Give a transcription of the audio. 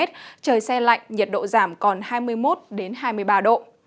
trời xe lạnh nhiệt độ giảm còn hai mươi một hai mươi ba độ